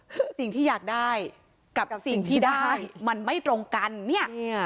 คือสิ่งที่อยากได้กับสิ่งที่ได้มันไม่ตรงกันเนี่ย